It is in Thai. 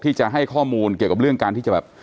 ที่จะให้ข้อมูลเกี่ยวกับเรื่องการที่จะแบบ